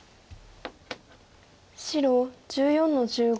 白１４の十五。